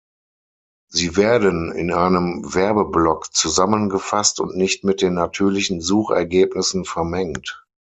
Sie werden in einem Werbeblock zusammengefasst und nicht mit den natürlichen Suchergebnissen vermengt.